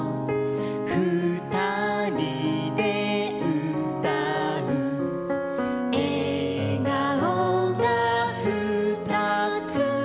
「ふたりでうたう」「えがおがふたつ」